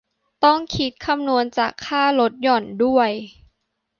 ต้องคิดคำนวณจากค่าลดหย่อนด้วย